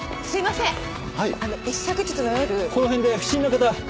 すいません。